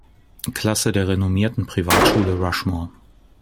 Klasse der renommierten Privatschule Rushmore.